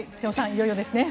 いよいよですね。